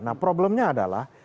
nah problemnya adalah